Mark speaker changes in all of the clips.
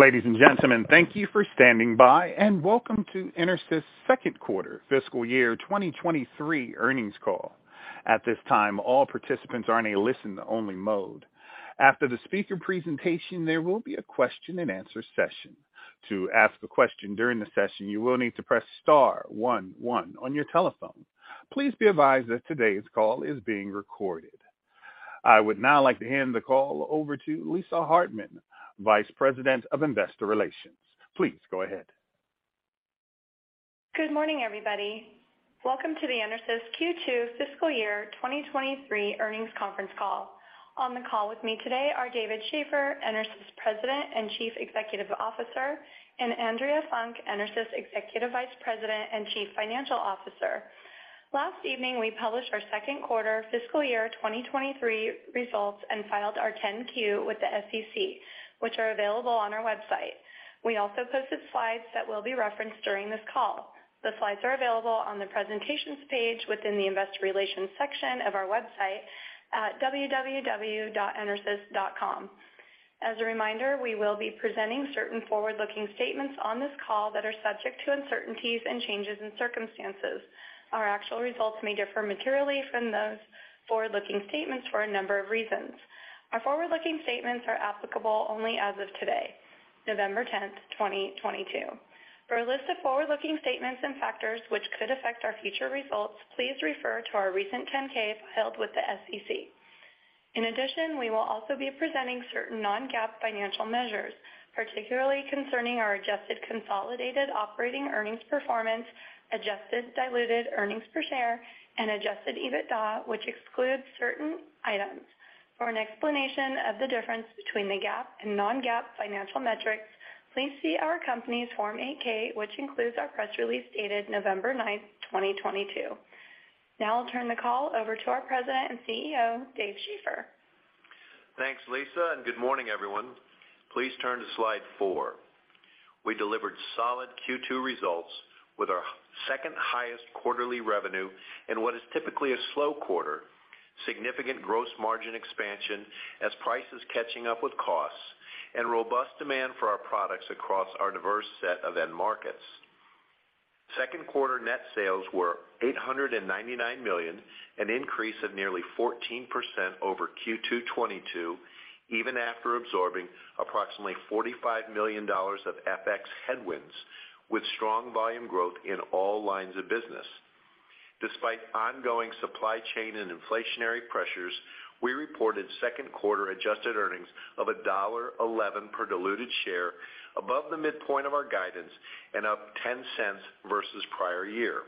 Speaker 1: Ladies and gentlemen, thank you for standing by, and welcome to EnerSys second quarter fiscal year 2023 earnings call. At this time, all participants are in a listen-only mode. After the speaker presentation, there will be a question-and-answer session. To ask a question during the session, you will need to press star one one on your telephone. Please be advised that today's call is being recorded. I would now like to hand the call over to Lisa Hartman, Vice President of Investor Relations. Please go ahead.
Speaker 2: Good morning, everybody. Welcome to the EnerSys Q2 fiscal year 2023 earnings conference call. On the call with me today are David Shaffer, EnerSys President and Chief Executive Officer, and Andrea Funk, EnerSys Executive Vice President and Chief Financial Officer. Last evening, we published our second quarter fiscal year 2023 results and filed our 10-Q with the SEC, which are available on our website. We also posted slides that will be referenced during this call. The slides are available on the presentations page within the investor relations section of our website at www.enersys.com. As a reminder, we will be presenting certain forward-looking statements on this call that are subject to uncertainties and changes in circumstances. Our actual results may differ materially from those forward-looking statements for a number of reasons. Our forward-looking statements are applicable only as of today, November 10th, 2022. For a list of forward-looking statements and factors which could affect our future results, please refer to our recent 10-K filed with the SEC. In addition, we will also be presenting certain non-GAAP financial measures, particularly concerning our adjusted consolidated operating earnings performance, adjusted diluted earnings per share, and Adjusted EBITDA, which excludes certain items. For an explanation of the difference between the GAAP and non-GAAP financial metrics, please see our company's Form 8-K, which includes our press release dated November 9th, 2022. Now I'll turn the call over to our President and CEO, David M. Shaffer.
Speaker 3: Thanks, Lisa, and good morning, everyone. Please turn to slide four. We delivered solid Q2 results with our second-highest quarterly revenue in what is typically a slow quarter, significant gross margin expansion as price is catching up with costs, and robust demand for our products across our diverse set of end markets. Second quarter net sales were $899 million, an increase of nearly 14% over Q2 2022, even after absorbing approximately $45 million of FX headwinds with strong volume growth in all lines of business. Despite ongoing supply chain and inflationary pressures, we reported second quarter adjusted earnings of $1.11 per diluted share above the midpoint of our guidance and up $0.10 versus prior year.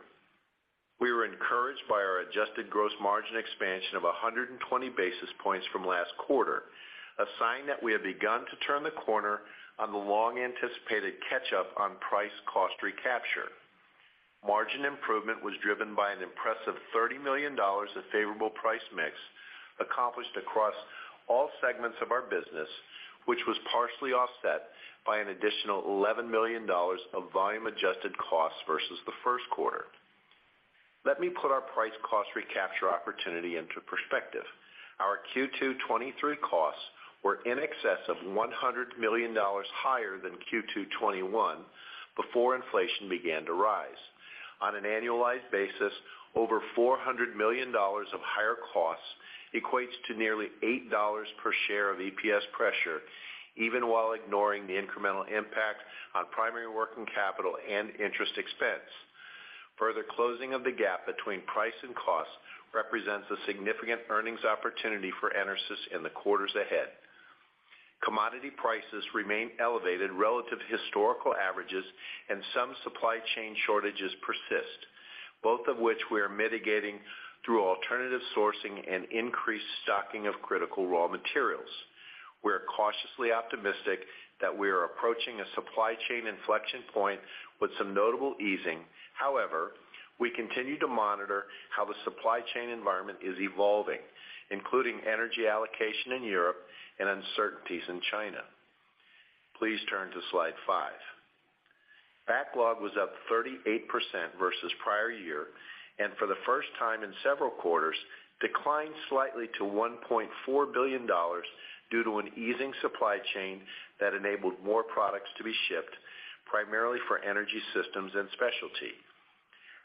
Speaker 3: We were encouraged by our adjusted gross margin expansion of 120 basis points from last quarter, a sign that we have begun to turn the corner on the long-anticipated catch up on price cost recapture. Margin improvement was driven by an impressive $30 million of favorable price mix accomplished across all segments of our business, which was partially offset by an additional $11 million of volume adjusted costs versus the first quarter. Let me put our price cost recapture opportunity into perspective. Our Q2 2023 costs were in excess of $100 million higher than Q2 2021 before inflation began to rise. On an annualized basis, over $400 million of higher costs equates to nearly $8 per share of EPS pressure, even while ignoring the incremental impact on primary working capital and interest expense. Further closing of the gap between price and cost represents a significant earnings opportunity for EnerSys in the quarters ahead. Commodity prices remain elevated relative to historical averages, and some supply chain shortages persist, both of which we are mitigating through alternative sourcing and increased stocking of critical raw materials. We are cautiously optimistic that we are approaching a supply chain inflection point with some notable easing. However, we continue to monitor how the supply chain environment is evolving, including energy allocation in Europe and uncertainties in China. Please turn to slide five. Backlog was up 38% versus prior year, and for the first time in several quarters, declined slightly to $1.4 billion due to an easing supply chain that enabled more products to be shipped, primarily for energy systems and specialty.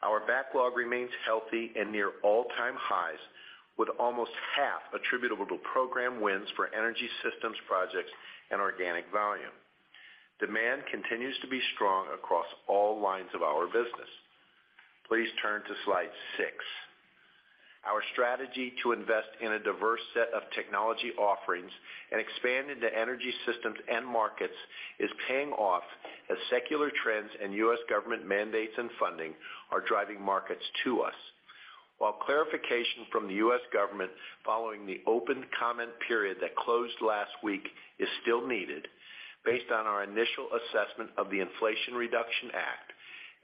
Speaker 3: Our backlog remains healthy and near all-time highs, with almost half attributable to program wins for energy systems projects and organic volume. Demand continues to be strong across all lines of our business. Please turn to slide six. Our strategy to invest in a diverse set of technology offerings and expand into energy systems end markets is paying off as secular trends and U.S. government mandates and funding are driving markets to us. While clarification from the U.S. government following the open comment period that closed last week is still needed, based on our initial assessment of the Inflation Reduction Act,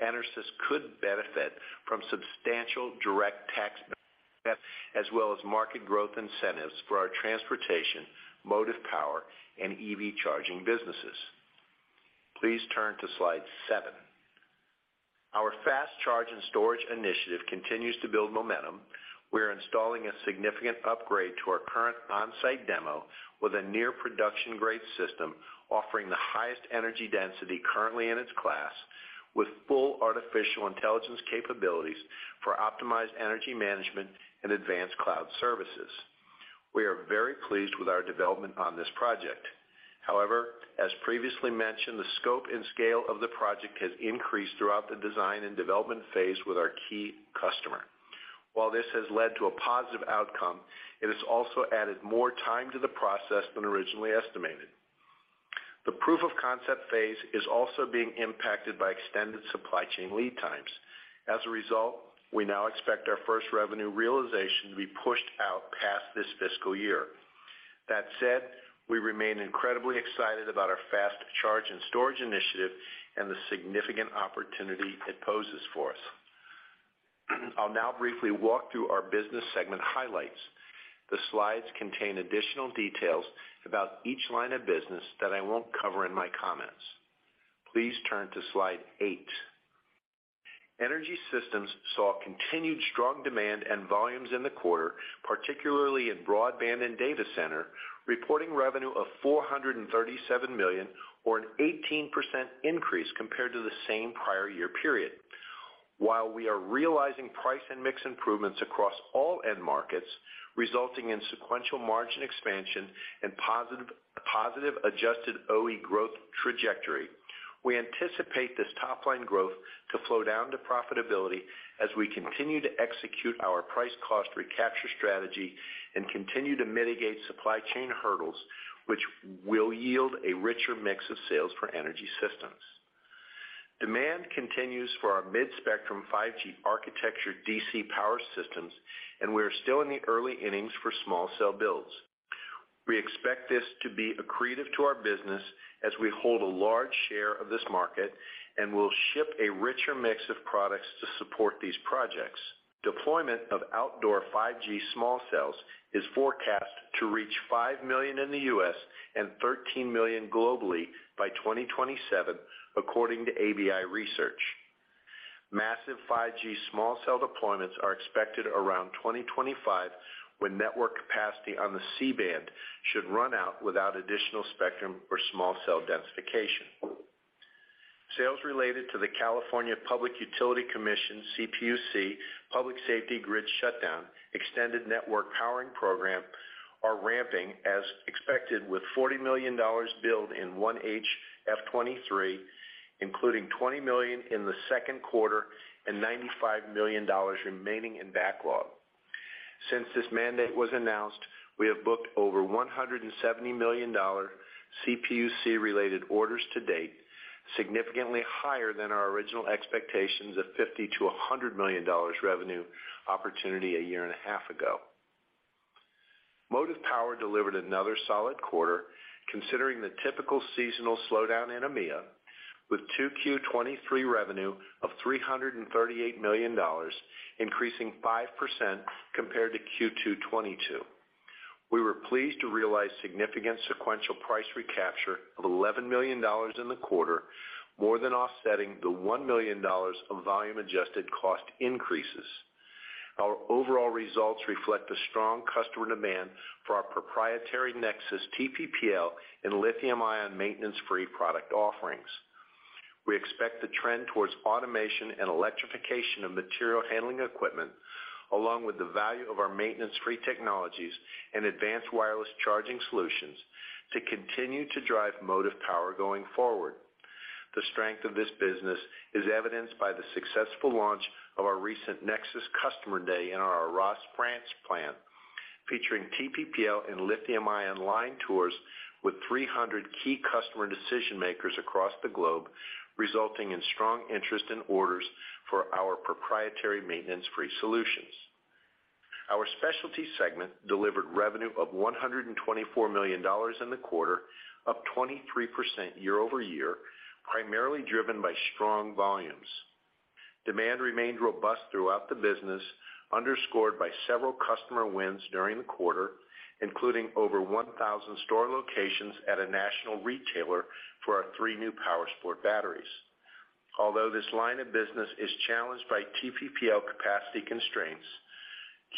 Speaker 3: EnerSys could benefit from substantial direct tax benefits as well as market growth incentives for our transportation, motive power, and EV charging businesses. Please turn to slide seven. Our fast charge and storage initiative continues to build momentum. We are installing a significant upgrade to our current on-site demo with a near production grade system offering the highest energy density currently in its class, with full artificial intelligence capabilities for optimized energy management and advanced cloud services. We are very pleased with our development on this project. However, as previously mentioned, the scope and scale of the project has increased throughout the design and development phase with our key customer. While this has led to a positive outcome, it has also added more time to the process than originally estimated. The proof of concept phase is also being impacted by extended supply chain lead times. As a result, we now expect our first revenue realization to be pushed out past this fiscal year. That said, we remain incredibly excited about our fast charge and storage initiative and the significant opportunity it poses for us. I'll now briefly walk through our business segment highlights. The slides contain additional details about each line of business that I won't cover in my comments. Please turn to slide eight. Energy Systems saw continued strong demand and volumes in the quarter, particularly in broadband and data center, reporting revenue of $437 million, or an 18% increase compared to the same prior year period. While we are realizing price and mix improvements across all end markets, resulting in sequential margin expansion and positive adjusted OpEx growth trajectory, we anticipate this top line growth to flow down to profitability as we continue to execute our price cost recapture strategy and continue to mitigate supply chain hurdles, which will yield a richer mix of sales for Energy Systems. Demand continues for our mid-spectrum 5G architecture DC power systems, and we are still in the early innings for small cell builds. We expect this to be accretive to our business as we hold a large share of this market and will ship a richer mix of products to support these projects. Deployment of outdoor 5G small cells is forecast to reach 5 million in the U.S. and 13 million globally by 2027, according to ABI Research. Massive 5G small cell deployments are expected around 2025, when network capacity on the C-band should run out without additional spectrum or small cell densification. Sales related to the California Public Utilities Commission, CPUC, Public Safety Power Shutoff Extended Network Powering Program are ramping as expected, with $40 million billed in 1H FY '23, including $20 million in the second quarter and $95 million remaining in backlog. Since this mandate was announced, we have booked over $170 million CPUC related orders to date, significantly higher than our original expectations of $50 million-$100 million revenue opportunity a year and a half ago. Motive Power delivered another solid quarter considering the typical seasonal slowdown in EMEA with 2Q 2023 revenue of $338 million, increasing 5% compared to Q2 2022. We were pleased to realize significant sequential price recapture of $11 million in the quarter, more than offsetting the $1 million of volume adjusted cost increases. Our overall results reflect the strong customer demand for our proprietary NexSys TPPL and lithium-ion maintenance-free product offerings. We expect the trend towards automation and electrification of material handling equipment, along with the value of our maintenance-free technologies and advanced wireless charging solutions to continue to drive Motive Power going forward. The strength of this business is evidenced by the successful launch of our recent NexSys Customer Day in our Arras, France plant, featuring TPPL and lithium-ion line tours with 300 key customer decision-makers across the globe, resulting in strong interest in orders for our proprietary maintenance-free solutions. Our specialty segment delivered revenue of $124 million in the quarter, up 23% year-over-year, primarily driven by strong volumes. Demand remained robust throughout the business, underscored by several customer wins during the quarter, including over 1,000 store locations at a national retailer for our three new Powersport batteries. Although this line of business is challenged by TPPL capacity constraints,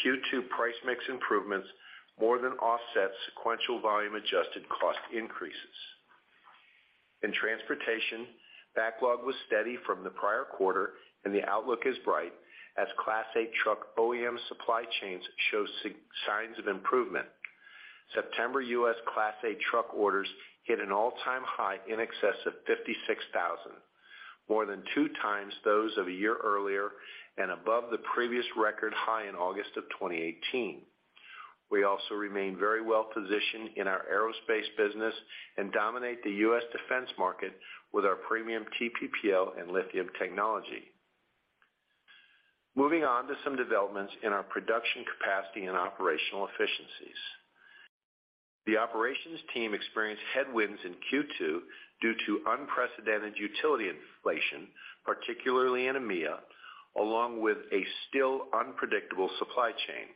Speaker 3: Q2 price mix improvements more than offset sequential volume adjusted cost increases. In transportation, backlog was steady from the prior quarter and the outlook is bright as Class 8 truck OEM supply chains show signs of improvement. September U.S. Class 8 truck orders hit an all-time high in excess of 56,000, more than two times those of a year earlier and above the previous record high in August of 2018. We also remain very well positioned in our aerospace business and dominate the U.S. defense market with our premium TPPL and lithium technology. Moving on to some developments in our production capacity and operational efficiencies. The operations team experienced headwinds in Q2 due to unprecedented utility inflation, particularly in EMEA, along with a still unpredictable supply chain.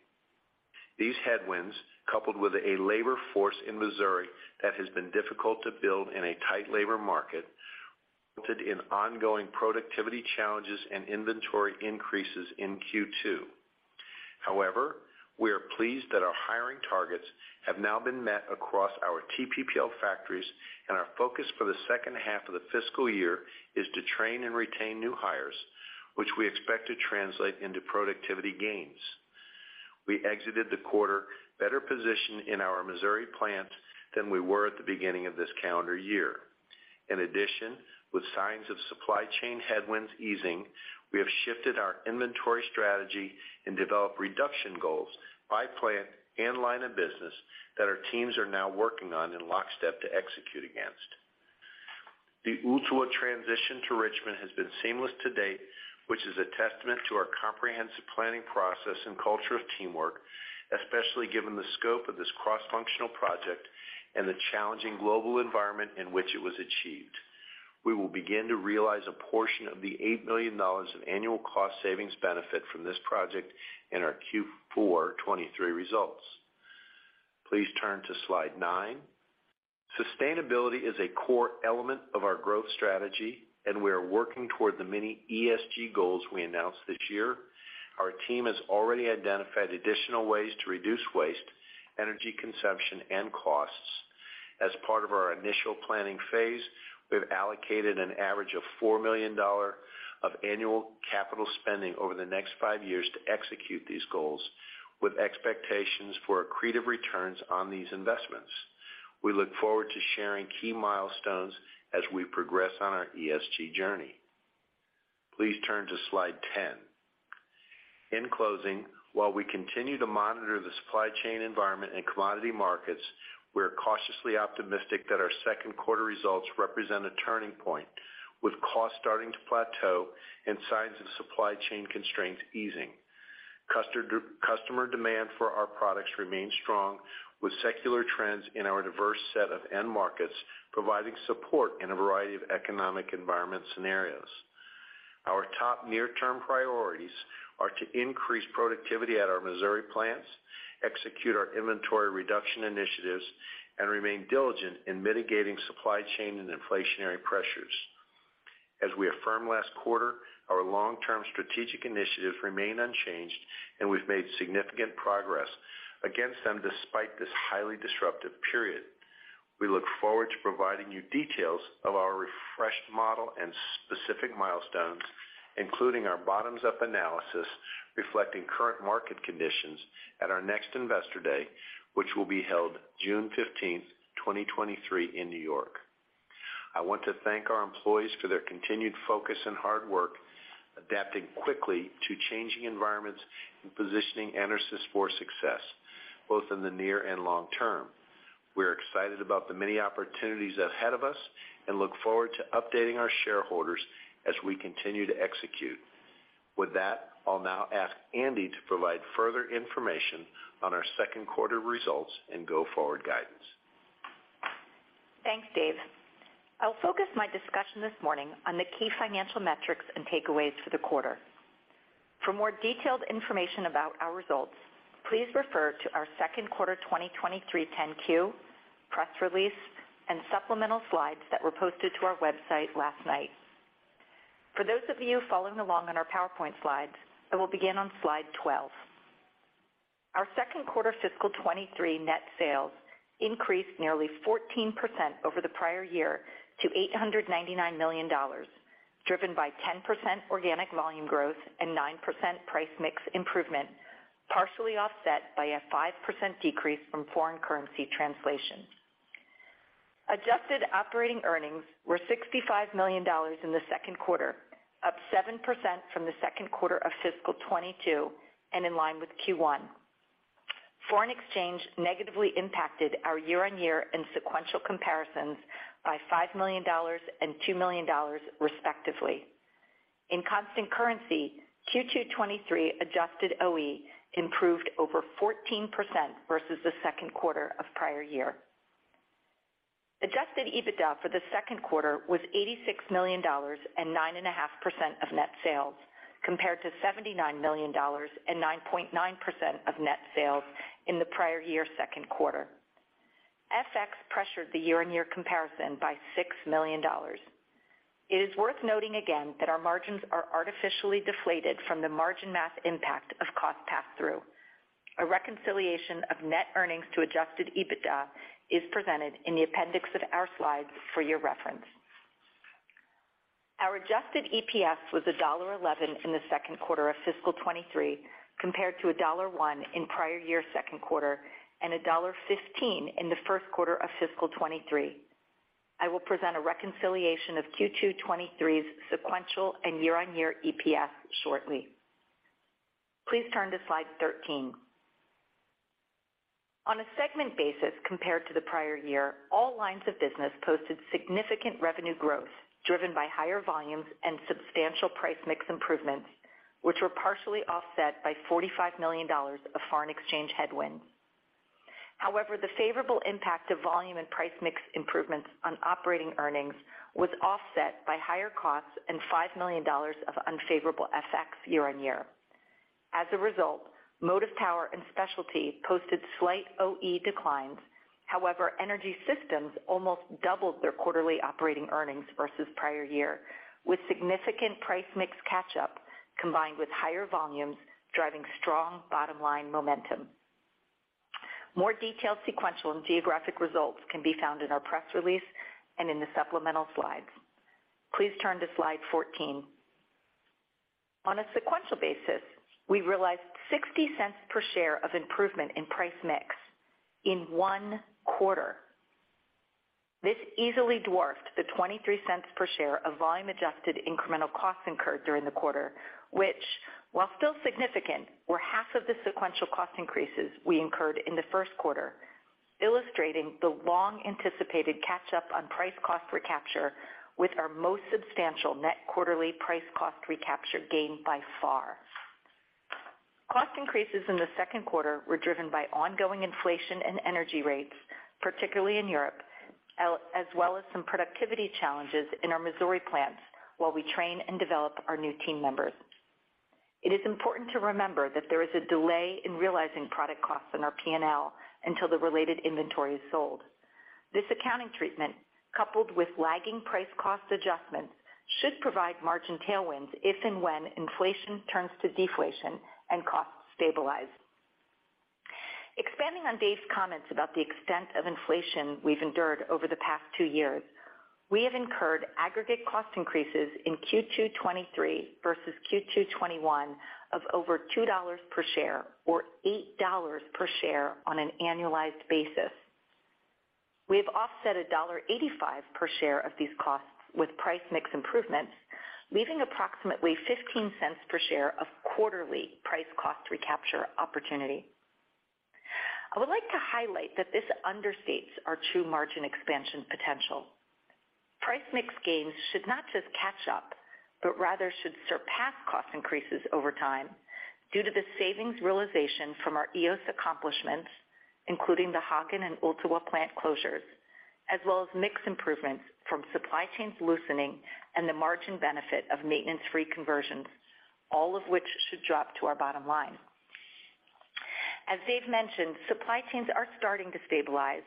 Speaker 3: These headwinds, coupled with a labor force in Missouri that has been difficult to build in a tight labor market, resulted in ongoing productivity challenges and inventory increases in Q2. However, we are pleased that our hiring targets have now been met across our TPPL factories, and our focus for the second half of the fiscal year is to train and retain new hires, which we expect to translate into productivity gains. We exited the quarter better positioned in our Missouri plant than we were at the beginning of this calendar year. In addition, with signs of supply chain headwinds easing, we have shifted our inventory strategy and developed reduction goals by plant and line of business that our teams are now working on in lockstep to execute against. The Ottawa transition to Richmond has been seamless to date, which is a testament to our comprehensive planning process and culture of teamwork, especially given the scope of this cross-functional project and the challenging global environment in which it was achieved. We will begin to realize a portion of the $8 million of annual cost savings benefit from this project in our Q4 2023 results. Please turn to slide nine. Sustainability is a core element of our growth strategy, and we are working toward the many ESG goals we announced this year. Our team has already identified additional ways to reduce waste, energy consumption, and costs. As part of our initial planning phase, we've allocated an average of $4 million of annual capital spending over the next five years to execute these goals with expectations for accretive returns on these investments. We look forward to sharing key milestones as we progress on our ESG journey. Please turn to slide 10. In closing, while we continue to monitor the supply chain environment and commodity markets, we are cautiously optimistic that our second quarter results represent a turning point, with costs starting to plateau and signs of supply chain constraints easing. Customer demand for our products remains strong, with secular trends in our diverse set of end markets providing support in a variety of economic environment scenarios. Our top near-term priorities are to increase productivity at our Missouri plants, execute our inventory reduction initiatives, and remain diligent in mitigating supply chain and inflationary pressures. As we affirmed last quarter, our long-term strategic initiatives remain unchanged, and we've made significant progress against them despite this highly disruptive period. We look forward to providing you details of our refreshed model and specific milestones, including our bottoms-up analysis reflecting current market conditions at our next Investor Day, which will be held June 15, 2023 in New York. I want to thank our employees for their continued focus and hard work, adapting quickly to changing environments and positioning EnerSys for success, both in the near and long term. We are excited about the many opportunities ahead of us and look forward to updating our shareholders as we continue to execute. With that, I'll now ask Andy to provide further information on our second quarter results and go-forward guidance.
Speaker 4: Thanks, Dave. I'll focus my discussion this morning on the key financial metrics and takeaways for the quarter. For more detailed information about our results, please refer to our second quarter 2023 10-Q, press release, and supplemental slides that were posted to our website last night. For those of you following along on our PowerPoint slides, I will begin on slide 12. Our second quarter fiscal 2023 net sales increased nearly 14% over the prior year to $899 million, driven by 10% organic volume growth and 9% price mix improvement, partially offset by a 5% decrease from foreign currency translation. Adjusted operating earnings were $65 million in the second quarter, up 7% from the second quarter of fiscal 2022 and in line with Q1. Foreign exchange negatively impacted our year-on-year and sequential comparisons by $5 million and $2 million, respectively. In constant currency, Q2 2023 adjusted OE improved over 14% versus the second quarter of prior year. Adjusted EBITDA for the second quarter was $86 million and 9.5% of net sales, compared to $79 million and 9.9% of net sales in the prior year second quarter. FX pressured the year-on-year comparison by $6 million. It is worth noting again that our margins are artificially deflated from the margin math impact of cost pass-through. A reconciliation of net earnings to Adjusted EBITDA is presented in the appendix of our slides for your reference. Our adjusted EPS was $1.11 in the second quarter of fiscal 2023, compared to $1.01 in prior year second quarter and $1.15 in the first quarter of fiscal 2023. I will present a reconciliation of Q2 2023's sequential and year-on-year EPS shortly. Please turn to slide 13. On a segment basis compared to the prior year, all lines of business posted significant revenue growth, driven by higher volumes and substantial price mix improvements, which were partially offset by $45 million of foreign exchange headwind. The favorable impact of volume and price mix improvements on operating earnings was offset by higher costs and $5 million of unfavorable FX year-on-year. As a result, Motive Power and Specialty posted slight OE declines. However, Energy Systems almost doubled their quarterly operating earnings versus prior year, with significant price mix catch-up combined with higher volumes driving strong bottom-line momentum. More detailed sequential and geographic results can be found in our press release and in the supplemental slides. Please turn to slide 14. On a sequential basis, we realized $0.60 per share of improvement in price mix in one quarter. This easily dwarfed the $0.23 per share of volume-adjusted incremental costs incurred during the quarter, which, while still significant, were half of the sequential cost increases we incurred in the first quarter, illustrating the long-anticipated catch-up on price cost recapture with our most substantial net quarterly price cost recapture gain by far. Cost increases in the second quarter were driven by ongoing inflation and energy rates, particularly in Europe, as well as some productivity challenges in our Missouri plants while we train and develop our new team members. It is important to remember that there is a delay in realizing product costs in our P&L until the related inventory is sold. This accounting treatment, coupled with lagging price cost adjustments, should provide margin tailwinds if and when inflation turns to deflation and costs stabilize. Expanding on Dave's comments about the extent of inflation we've endured over the past two years, we have incurred aggregate cost increases in Q2 2023 versus Q2 2021 of over $2 per share or $8 per share on an annualized basis. We have offset $1.85 per share of these costs with price mix improvements, leaving approximately $0.15 per share of quarterly price cost recapture opportunity. I would like to highlight that this understates our true margin expansion potential. Price mix gains should not just catch up, but rather should surpass cost increases over time due to the savings realization from our EOS accomplishments, including the Hagen and Ottawa plant closures, as well as mix improvements from supply chains loosening and the margin benefit of maintenance-free conversions, all of which should drop to our bottom line. As Dave mentioned, supply chains are starting to stabilize.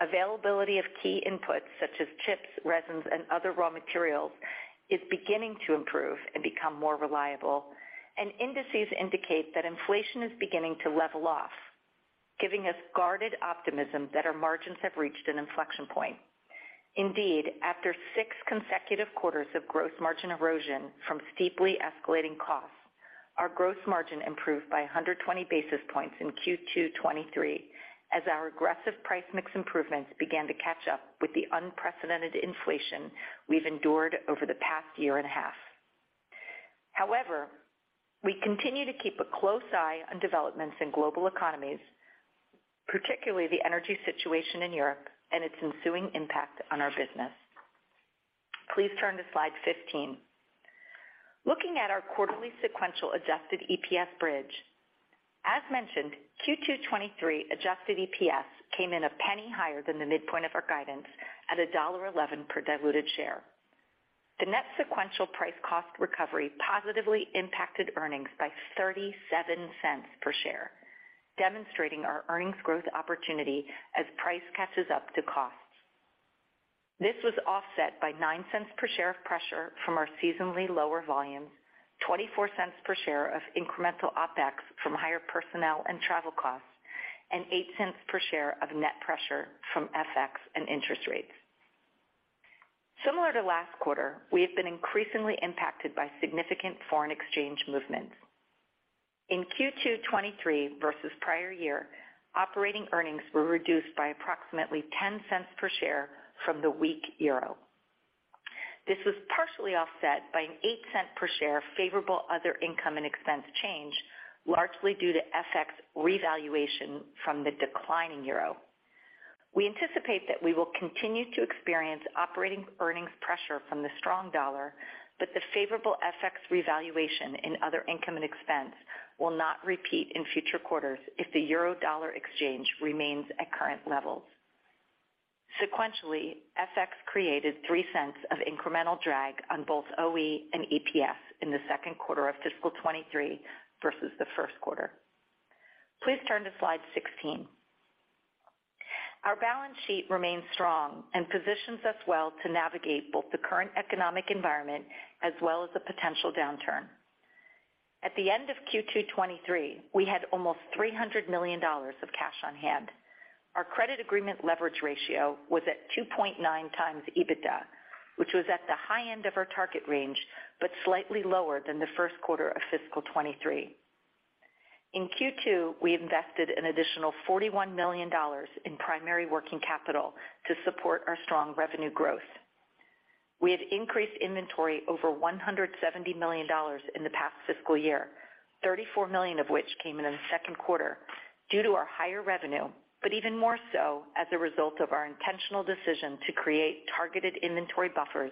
Speaker 4: Availability of key inputs such as chips, resins, and other raw materials is beginning to improve and become more reliable. Indices indicate that inflation is beginning to level off, giving us guarded optimism that our margins have reached an inflection point. Indeed, after six consecutive quarters of gross margin erosion from steeply escalating costs, our gross margin improved by 120 basis points in Q2 2023 as our aggressive price mix improvements began to catch up with the unprecedented inflation we've endured over the past year and a half. However, we continue to keep a close eye on developments in global economies, particularly the energy situation in Europe and its ensuing impact on our business. Please turn to slide 15. Looking at our quarterly sequential adjusted EPS bridge. As mentioned, Q2 2023 adjusted EPS came in $0.01 higher than the midpoint of our guidance at $1.11 per diluted share. The net sequential price cost recovery positively impacted earnings by $0.37 per share, demonstrating our earnings growth opportunity as price catches up to cost. This was offset by $0.09 per share of pressure from our seasonally lower volumes, $0.24 per share of incremental OpEx from higher personnel and travel costs, and $0.08 per share of net pressure from FX and interest rates. Similar to last quarter, we have been increasingly impacted by significant foreign exchange movements. In Q2 2023 versus prior year, operating earnings were reduced by approximately $0.10 per share from the weak euro. This was partially offset by an $0.08 per share favorable other income and expense change, largely due to FX revaluation from the declining euro. We anticipate that we will continue to experience operating earnings pressure from the strong dollar, but the favorable FX revaluation in other income and expense will not repeat in future quarters if the euro-dollar exchange remains at current levels. Sequentially, FX created $0.03 of incremental drag on both OE and EPS in the second quarter of fiscal 2023 versus the first quarter. Please turn to slide 16. Our balance sheet remains strong and positions us well to navigate both the current economic environment as well as a potential downturn. At the end of Q2 2023, we had almost $300 million of cash on hand. Our credit agreement leverage ratio was at 2.9x EBITDA, which was at the high end of our target range, but slightly lower than the first quarter of fiscal 2023. In Q2, we invested an additional $41 million in primary working capital to support our strong revenue growth. We had increased inventory over $170 million in the past fiscal year, $34 million of which came in the second quarter due to our higher revenue, but even more so as a result of our intentional decision to create targeted inventory buffers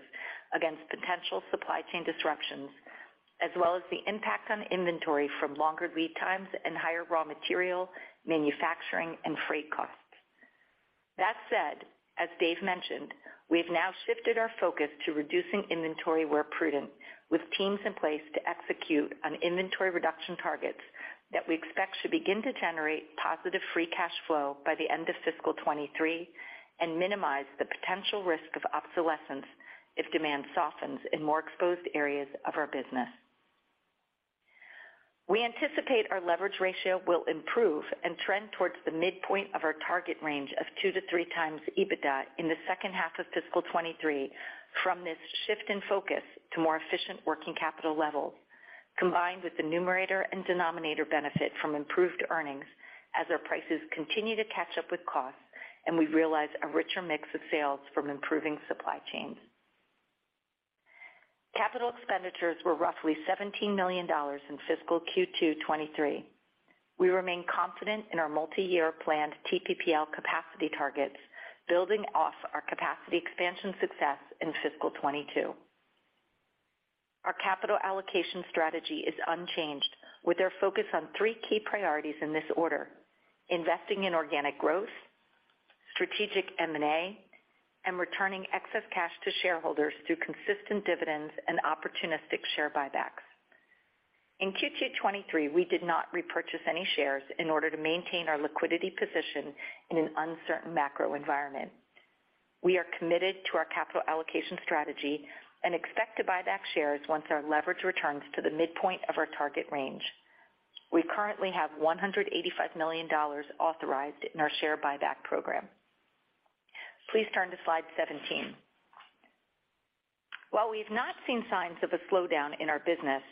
Speaker 4: against potential supply chain disruptions, as well as the impact on inventory from longer lead times and higher raw material, manufacturing, and freight costs. That said, as Dave mentioned, we've now shifted our focus to reducing inventory where prudent, with teams in place to execute on inventory reduction targets that we expect should begin to generate positive free cash flow by the end of fiscal 2023 and minimize the potential risk of obsolescence if demand softens in more exposed areas of our business. We anticipate our leverage ratio will improve and trend towards the midpoint of our target range of 2-3x EBITDA in the second half of fiscal 2023 from this shift in focus to more efficient working capital levels, combined with the numerator and denominator benefit from improved earnings as our prices continue to catch up with costs, and we realize a richer mix of sales from improving supply chains. Capital expenditures were roughly $17 million in fiscal Q2 2023. We remain confident in our multiyear planned TPPL capacity targets, building off our capacity expansion success in fiscal 2022. Our capital allocation strategy is unchanged, with our focus on three key priorities in this order, investing in organic growth, strategic M&A, and returning excess cash to shareholders through consistent dividends and opportunistic share buybacks. In Q2 2023, we did not repurchase any shares in order to maintain our liquidity position in an uncertain macro environment. We are committed to our capital allocation strategy and expect to buy back shares once our leverage returns to the midpoint of our target range. We currently have $185 million authorized in our share buyback program. Please turn to slide 17. While we've not seen signs of a slowdown in our business,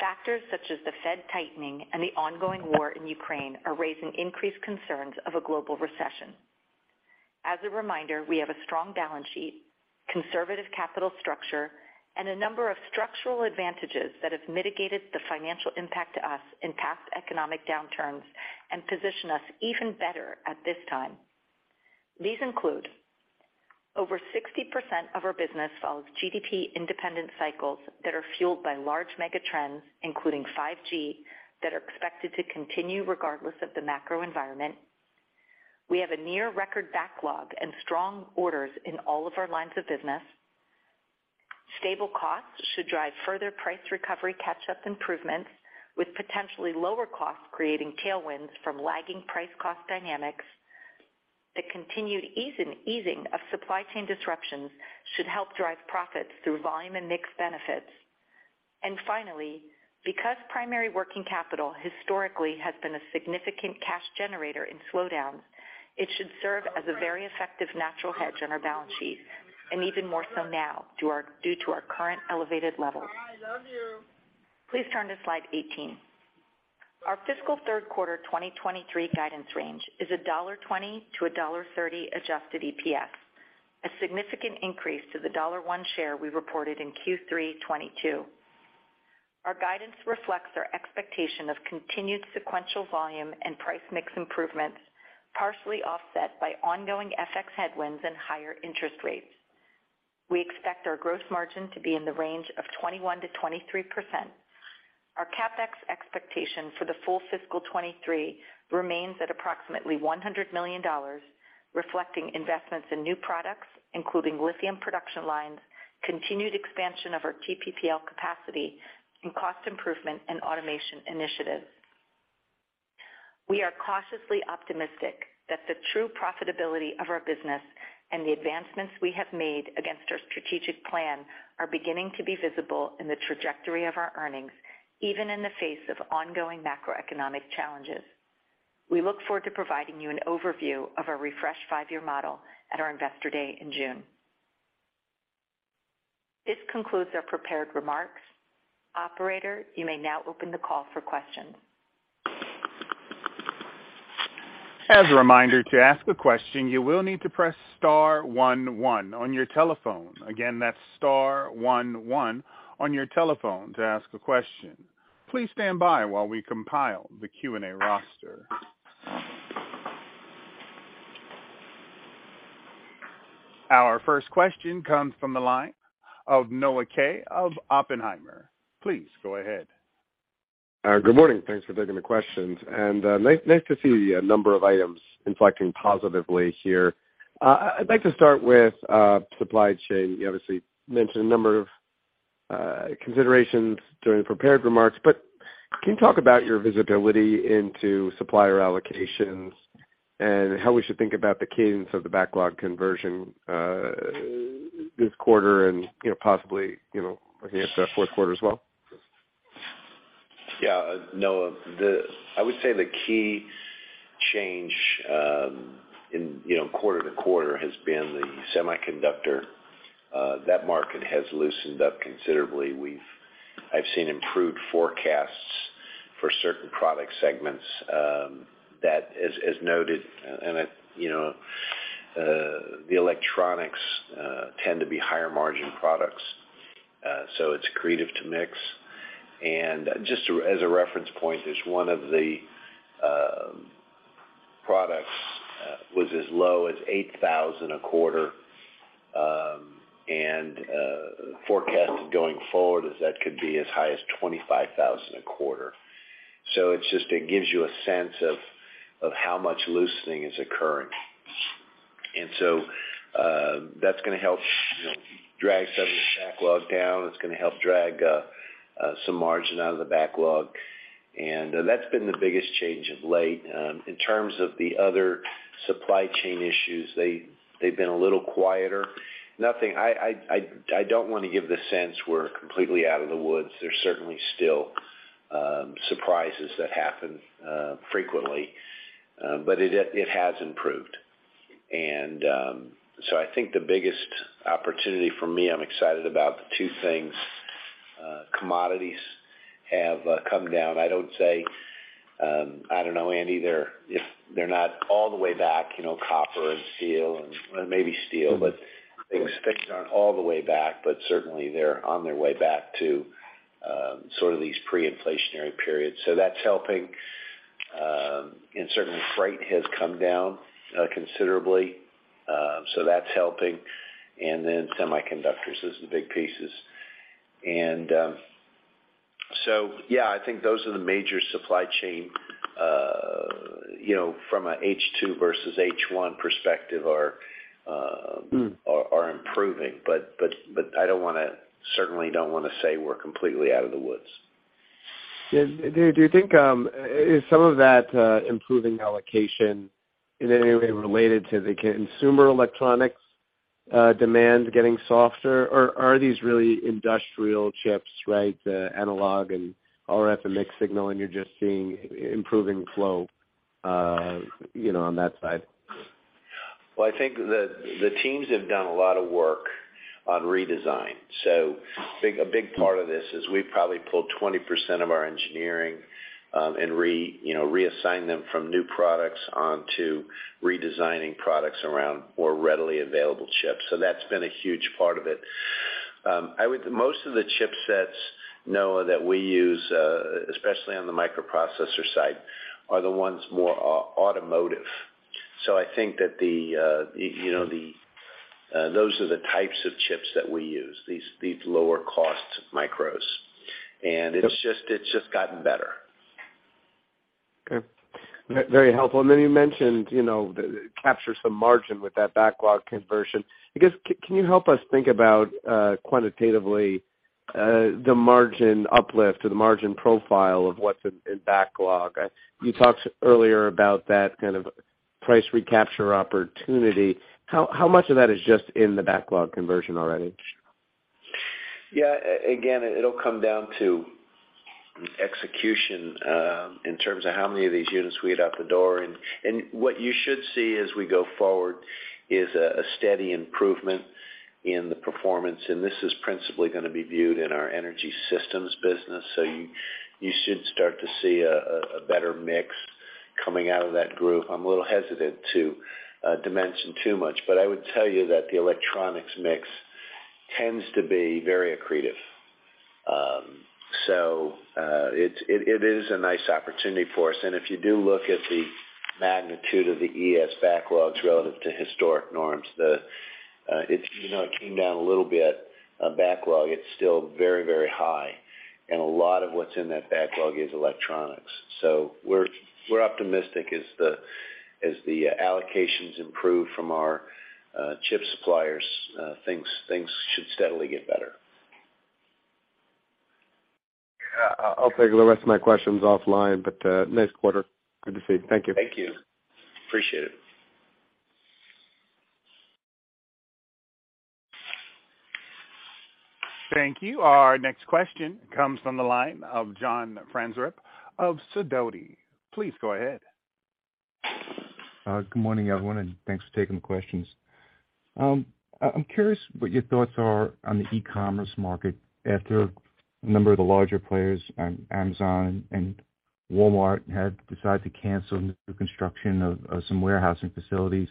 Speaker 4: factors such as the Fed tightening and the ongoing war in Ukraine are raising increased concerns of a global recession. As a reminder, we have a strong balance sheet, conservative capital structure, and a number of structural advantages that have mitigated the financial impact to us in past economic downturns and position us even better at this time. These include over 60% of our business follows GDP-independent cycles that are fueled by large mega trends, including 5G, that are expected to continue regardless of the macro environment. We have a near record backlog and strong orders in all of our lines of business. Stable costs should drive further price recovery catch-up improvements, with potentially lower costs creating tailwinds from lagging price cost dynamics. The continued easing of supply chain disruptions should help drive profits through volume and mix benefits. Finally, because primary working capital historically has been a significant cash generator in slowdowns, it should serve as a very effective natural hedge on our balance sheet, and even more so now due to our current elevated levels. Please turn to slide 18. Our fiscal third quarter 2023 guidance range is $1.20-$1.30 adjusted EPS, a significant increase to the $1 share we reported in Q3 2022. Our guidance reflects our expectation of continued sequential volume and price mix improvements, partially offset by ongoing FX headwinds and higher interest rates. We expect our gross margin to be in the range of 21%-23%. Our CapEx expectation for the full fiscal 2023 remains at approximately $100 million, reflecting investments in new products, including lithium production lines, continued expansion of our TPPL capacity, and cost improvement and automation initiatives. We are cautiously optimistic that the true profitability of our business and the advancements we have made against our strategic plan are beginning to be visible in the trajectory of our earnings, even in the face of ongoing macroeconomic challenges. We look forward to providing you an overview of our refreshed five-year model at our Investor Day in June. This concludes our prepared remarks. Operator, you may now open the call for questions.
Speaker 1: As a reminder, to ask a question, you will need to press star one one on your telephone. Again, that's star one one on your telephone to ask a question. Please stand by while we compile the Q&A roster. Our first question comes from the line of Noah Kaye of Oppenheimer. Please go ahead.
Speaker 5: Good morning. Thanks for taking the questions. Nice to see a number of items inflecting positively here. I'd like to start with supply chain. You obviously mentioned a number of considerations during prepared remarks, but can you talk about your visibility into supplier allocations and how we should think about the cadence of the backlog conversion this quarter and, you know, possibly, you know, looking at the fourth quarter as well?
Speaker 3: Yeah, Noah. I would say the key change in, you know, quarter to quarter has been the semiconductor. That market has loosened up considerably. I've seen improved forecasts for certain product segments, that, as noted, and it, you know, the electronics tend to be higher margin products, so it's accretive to mix. Just as a reference point, as one of the, Products was as low as 8,000 a quarter. Forecast going forward is that could be as high as 25,000 a quarter. It's just, it gives you a sense of how much loosening is occurring. That's gonna help, you know, drag some of the backlog down. It's gonna help drag some margin out of the backlog. That's been the biggest change of late. In terms of the other supply chain issues, they've been a little quieter. Nothing. I don't wanna give the sense we're completely out of the woods. There's certainly still surprises that happen frequently. It has improved. I think the biggest opportunity for me, I'm excited about the two things. Commodities have come down. I don't know anyother if they're not all the way back, you know, copper and steel and maybe, but I think especially not all the way back, but certainly they're on their way back to sort of these pre-inflationary periods. That's helping. Certainly freight has come down considerably. That's helping. Then semiconductors, those are the big pieces. Yeah, I think those are the major supply chain you know, from a H2 versus H1 perspective are.
Speaker 5: Mm.
Speaker 3: Are improving, but I don't wanna, certainly don't wanna say we're completely out of the woods.
Speaker 5: Yeah. Do you think is some of that improving allocation in any way related to the consumer electronics demand getting softer? Or are these really industrial chips, right? The analog and RF and mixed signal, and you're just seeing improving flow, you know, on that side?
Speaker 3: Well, I think the teams have done a lot of work on redesign. A big part of this is we probably pulled 20% of our engineering, and you know, reassigned them from new products onto redesigning products around more readily available chips. That's been a huge part of it. Most of the chipsets, Noah, that we use, especially on the microprocessor side, are the ones more automotive. I think that you know, those are the types of chips that we use, these lower cost micros. It's just gotten better.
Speaker 5: Okay. Very helpful. You mentioned, you know, capture some margin with that backlog conversion. I guess, can you help us think about quantitatively the margin uplift or the margin profile of what's in backlog? You talked earlier about that kind of price recapture opportunity. How much of that is just in the backlog conversion already?
Speaker 3: Yeah. Again, it'll come down to execution in terms of how many of these units we get out the door. What you should see as we go forward is a steady improvement in the performance, and this is principally gonna be viewed in our energy systems business. You should start to see a better mix coming out of that group. I'm a little hesitant to mention too much, but I would tell you that the electronics mix tends to be very accretive. It is a nice opportunity for us. If you do look at the magnitude of the ES backlogs relative to historic norms, you know, it came down a little bit of backlog. It's still very, very high, and a lot of what's in that backlog is electronics. We're optimistic as the allocations improve from our chip suppliers, things should steadily get better.
Speaker 5: Yeah. I'll take the rest of my questions offline, but, nice quarter. Good to see you. Thank you.
Speaker 3: Thank you. Appreciate it.
Speaker 1: Thank you. Our next question comes from the line of John Franzreb of Sidoti & Company. Please go ahead.
Speaker 6: Good morning, everyone, and thanks for taking the questions. I'm curious what your thoughts are on the e-commerce market after a number of the larger players, Amazon and Walmart, had decided to cancel new construction of some warehousing facilities.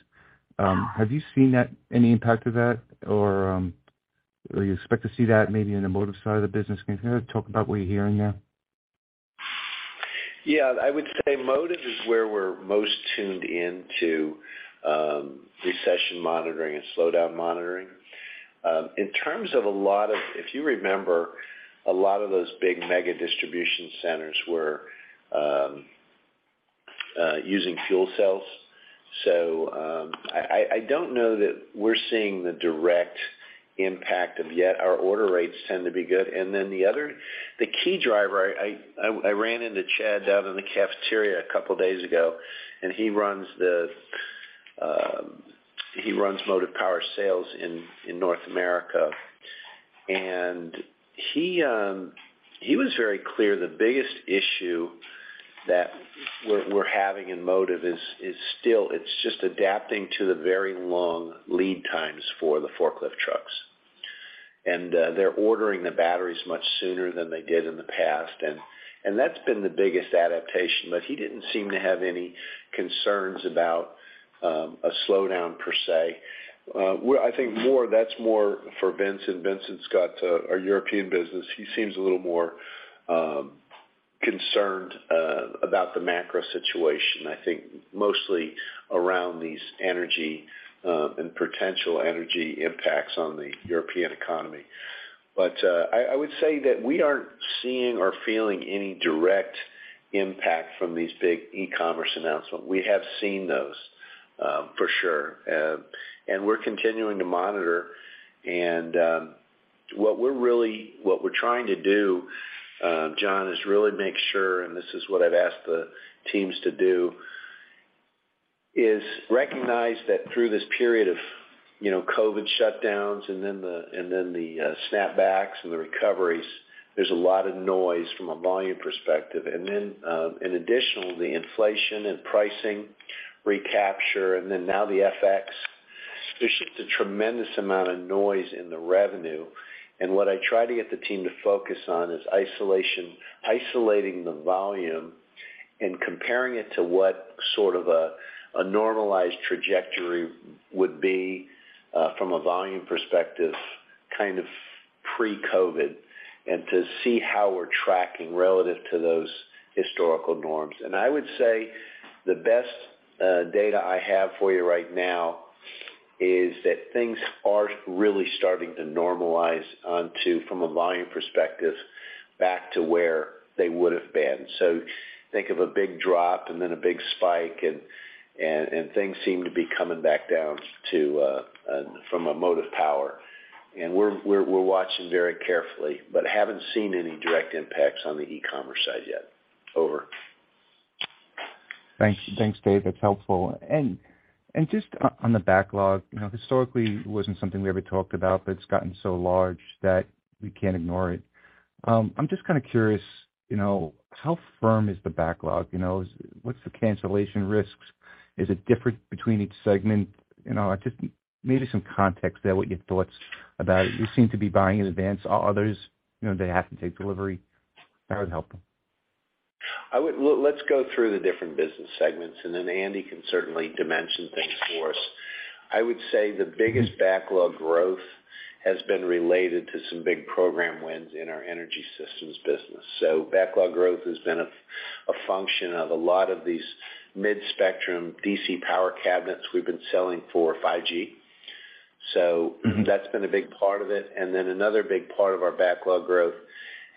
Speaker 6: Have you seen that, any impact of that? Or you expect to see that maybe in the motive side of the business? Can you kind of talk about what you're hearing there?
Speaker 3: Yeah. I would say Motive is where we're most tuned into, recession monitoring and slowdown monitoring. In terms of a lot of, if you remember, a lot of those big mega distribution centers were using fuel cells. I don't know that we're seeing the direct impact of yet. Our order rates tend to be good. Then the other, the key driver, I ran into Chad down in the cafeteria a couple days ago, and he runs Motive Power sales in North America. He was very clear the biggest issue that we're having in Motive is still it's just adapting to the very long lead times for the forklift trucks. They're ordering the batteries much sooner than they did in the past, and that's been the biggest adaptation. He didn't seem to have any concerns about a slowdown per se. I think that's more for Vincent. Vincent's got our European business. He seems a little more concerned about the macro situation, I think mostly around these energy and potential energy impacts on the European economy. I would say that we aren't seeing or feeling any direct impact from these big e-commerce announcements. We have seen those for sure. We're continuing to monitor. What we're trying to do, John, is really make sure, and this is what I've asked the teams to do, is recognize that through this period of, you know, COVID shutdowns and then the snapbacks and the recoveries, there's a lot of noise from a volume perspective. In addition, the inflation and pricing recapture, and then now the FX, there's just a tremendous amount of noise in the revenue. What I try to get the team to focus on is isolating the volume and comparing it to what sort of a normalized trajectory would be from a volume perspective, kind of pre-COVID, and to see how we're tracking relative to those historical norms. I would say the best data I have for you right now is that things are really starting to normalize onto, from a volume perspective, back to where they would have been. Think of a big drop and then a big spike and things seem to be coming back down to, from a Motive Power. We're watching very carefully, but haven't seen any direct impacts on the e-commerce side yet. Over.
Speaker 6: Thanks. Thanks, Dave. That's helpful. Just on the backlog, you know, historically it wasn't something we ever talked about, but it's gotten so large that we can't ignore it. I'm just kind of curious, you know, how firm is the backlog? You know, what's the cancellation risks? Is it different between each segment? You know, just maybe some context there, what your thoughts about it. You seem to be buying in advance. Are others, you know, they have to take delivery? That would help.
Speaker 3: Let's go through the different business segments, and then Andi can certainly dimension things for us. I would say the biggest backlog growth has been related to some big program wins in our energy systems business. Backlog growth has been a function of a lot of these mid-spectrum DC power cabinets we've been selling for 5G. That's been a big part of it. Another big part of our backlog growth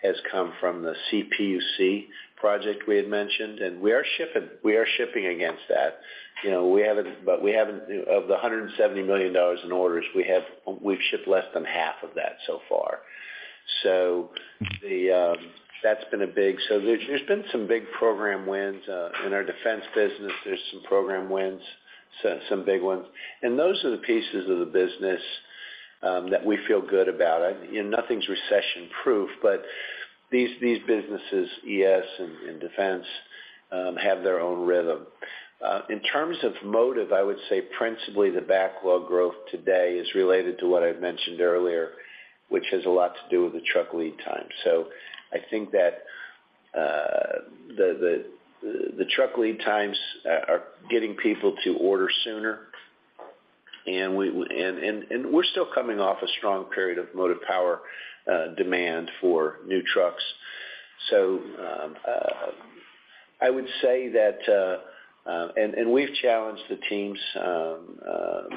Speaker 3: has come from the CPUC project we had mentioned, and we are shipping against that. You know, of the $170 million in orders, we've shipped less than half of that so far. There's been some big program wins in our defense business. There's some program wins, so some big ones. Those are the pieces of the business that we feel good about. Nothing's recession-proof, but these businesses, ES and defense, have their own rhythm. In terms of motive, I would say principally the backlog growth today is related to what I've mentioned earlier, which has a lot to do with the truck lead time. I think that the truck lead times are getting people to order sooner, and we're still coming off a strong period of motive power demand for new trucks. I would say that we've challenged the teams.